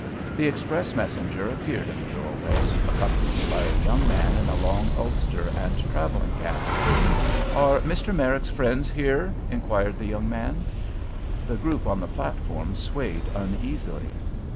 The express messenger appeared in the doorway, accompanied by a young man in a long ulster and travelling cap. "Are Mr. Merrick's friends here?" inquired the young man. The group on the platform swayed uneasily.